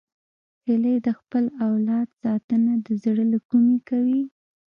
هیلۍ د خپل اولاد ساتنه د زړه له کومي کوي